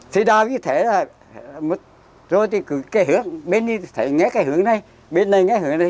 thì đau như thế là rồi thì cái hướng bên này nghe cái hướng này bên này nghe hướng này